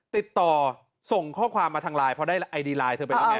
ติดต่อส่งข้อความมาทางไลน์เพราะได้ไอดีไลน์เธอไปแล้วเนี่ย